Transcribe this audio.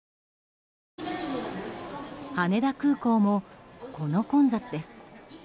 羽田空港も、この混雑です。